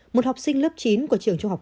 một học sinh lớp chín của trường trung học